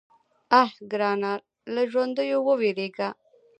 _اه ګرانه! له ژونديو ووېرېږه.